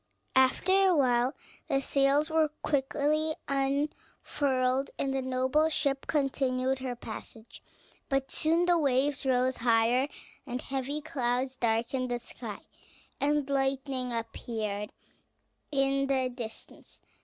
After a while, the sails were quickly unfurled, and the noble ship continued her passage; but soon the waves rose higher, heavy clouds darkened the sky, and lightning appeared in the distance.